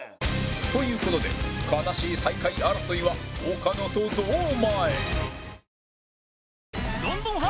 という事で悲しい最下位争いは岡野と堂前